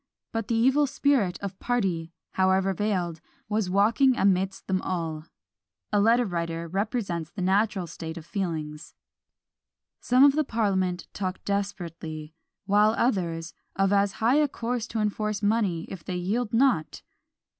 But the evil spirit of party, however veiled, was walking amidst them all: a letter writer represents the natural state of feelings: "Some of the parliament talk desperately; while others, of as high a course to enforce money if they yield not!"